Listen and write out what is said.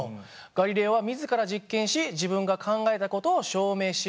ガリレオは自ら実験し自分が考えた事を証明しようとしました。